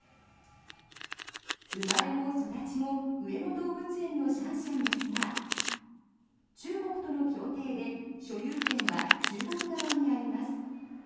生まれも育ちも上野動物園のシャンシャンですが中国との協定で所有権は中国側にあります。